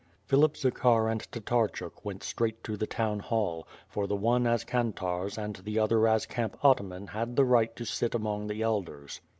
Philip Zakhar and Tatarchuk went straight to the town hall, for the one as kantarz and the other as camp ataman had the right to sit among the elders.